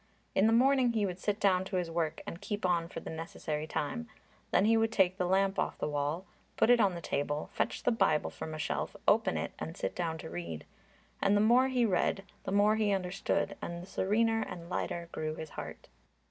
In the morning he would sit down to his work and keep on for the necessary time, then he would take the lamp off the wall, put it on the table, fetch the Bible from a shelf, open it, and sit down to read. And the more he read, the more he understood, and the serener and lighter grew his heart.